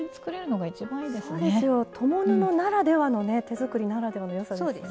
共布ならではのね手作りならではのよさですよね。